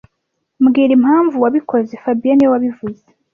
Mbwira impamvu wabikoze fabien niwe wabivuze